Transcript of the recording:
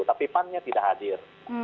tapi pan nya tidak hadir